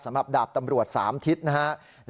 สำหรับดาบตำรวจสามทิศนะครับ